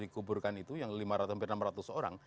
dikuburkan itu yang lima ratus sampai enam ratus orang